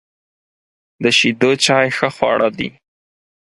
د شیدو چای ښه خواړه دي.